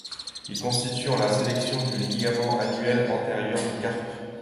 Il consiste en la section du ligament annulaire antérieur du carpe.